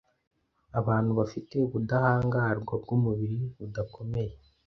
Abantu bafite ubudahangarwa bw’umubiri budakomeye